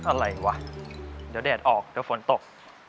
อะไรวะเดี๋ยวแดดออกเดี๋ยวฝนตก